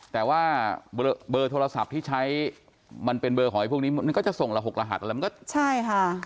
แต่ว่าเบอร์โทรศัพท์ที่ใช้มันเป็นเบอร์ของไอ้พวกนี้มันก็จะส่งละ๖รหัสอะไรมันก็ใช่ค่ะ